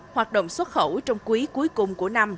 hoạt động xuất khẩu trong quý cuối cùng của năm